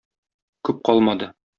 Күп калмады.